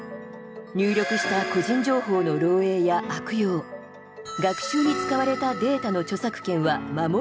入力した個人情報の漏えいや悪用学習に使われたデータの著作権は守られるのか。